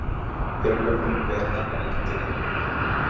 இரண்டொன்றின் பெயர்தான் எனக்குத் தெரியும்.